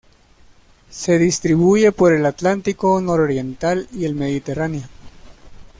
Se distribuye por el Atlántico nororiental y el Mediterráneo.